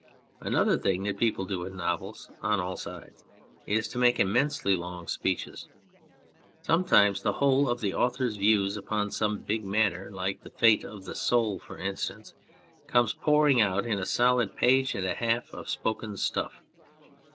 Another thing that people do in novels on all sides is to make immensely long speeches. Sometimes the whole of the author's views upon some big matter, like the fate of the soul for instance, comes pouring out in a solid page and a half of spoken stuff.